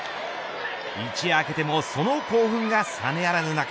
一夜明けてもその興奮が冷めやらぬ中